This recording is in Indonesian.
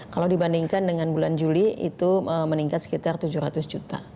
kalau dibandingkan dengan bulan juli itu meningkat sekitar tujuh ratus juta